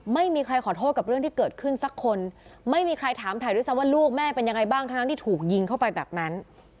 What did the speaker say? ไม่มีใครขอโทษกับเรื่องที่เกิดขึ้นสักคนไม่มีใครถามถ่ายด้วยซ้ำว่าลูกแม่เป็นยังไงบ้างทั้งนั้นที่ถูกยิงเข้าไปแบบนั้น